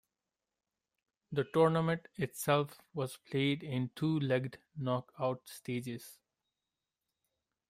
The tournament itself was played in two-legged knockout stages.